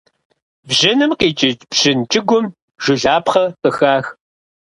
Бжьыным къикӏыкӏ бжьын кӏыгум жылапхъэ къыпах.